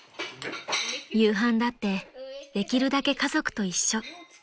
［夕飯だってできるだけ家族と一緒］